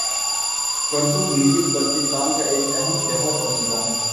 سکردو گلگت بلتستان کا ایک اہم شہر اور ضلع ہے